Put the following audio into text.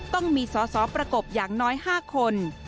ต้องมีสอสอประกบอย่างน้อย๕คน